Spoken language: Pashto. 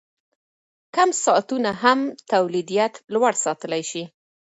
کم ساعتونه هم تولیدیت لوړ ساتلی شي.